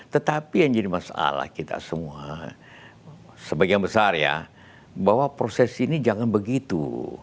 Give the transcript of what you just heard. tetapi yang jadi masalah kita semua sebagian besar ya bahwa proses ini jangan begitu